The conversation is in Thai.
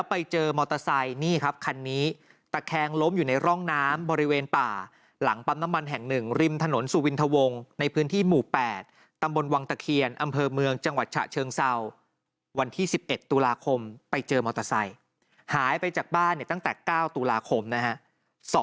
ไปเจอมอเตอร์ไซต์หายไปจากบ้านตั้งแต่๙ตุลาคมนะครับ